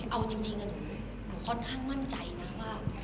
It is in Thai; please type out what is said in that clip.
เอาจริงหนูค่อนข้างมั่นใจนะว่า